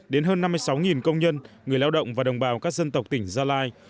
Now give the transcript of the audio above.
đến hơn năm mươi sáu công nhân người lao động và đồng bào các dân tộc tỉnh gia lai